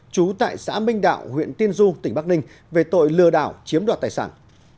trú tại xã minh đạo huyện tiên du tỉnh bắc ninh về tội lừa đảo chiếm đoạt tài sản